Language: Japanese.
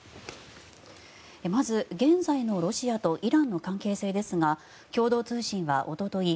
まず、現在のロシアとイランの関係性ですが共同通信はおととい